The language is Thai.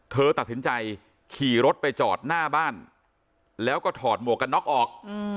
เธอตัดสินใจขี่รถไปจอดหน้าบ้านแล้วก็ถอดหมวกกันน็อกออก